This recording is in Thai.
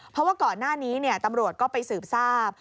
เพราะว่าก่อนหน้านี้ตำรวจก็ไปสืบทราบ